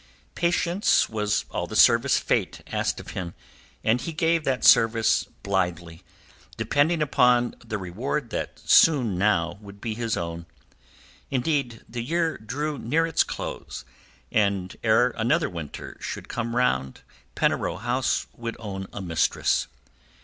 Patience was all the service Fate asked of him, and he gave that service blithely, depending upon the reward that soon now would be his own. Indeed, the year drew near its close; and ere another winter should come round Penarrow House would own a mistress.